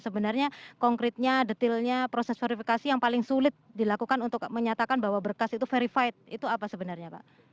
sebenarnya konkretnya detailnya proses verifikasi yang paling sulit dilakukan untuk menyatakan bahwa berkas itu verified itu apa sebenarnya pak